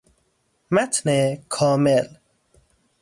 متن کامل